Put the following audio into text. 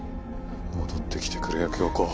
戻ってきてくれよ響子なあ！